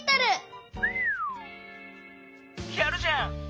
やるじゃん。